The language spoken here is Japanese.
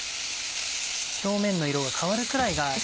表面の色が変わるくらいが。